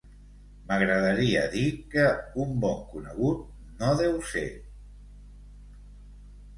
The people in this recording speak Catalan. M'agradaria dir que un bon conegut no deu ser….